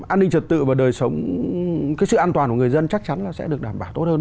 an ninh trật tự và đời sống cái sự an toàn của người dân chắc chắn là sẽ được đảm bảo tốt hơn